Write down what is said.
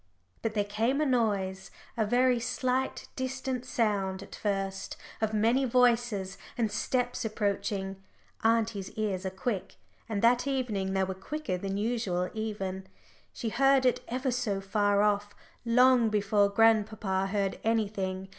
But there came a noise a very slight, distant sound at first of many voices and steps approaching. Auntie's ears are quick, and that evening they were quicker than usual, even. She heard it ever so far off, long before grandpapa heard anything.